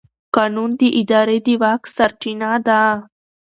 قانون د ادارې د واک سرچینه ده.